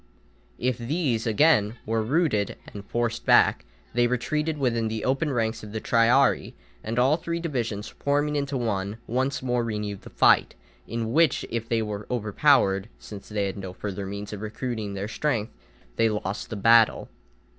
If these, again, were routed and forced back, they retreated within the open ranks of the triarii, and all three divisions, forming into one, once more renewed the fight, in which, if they were overpowered, since they had no further means of recruiting their strength, they lost the battle.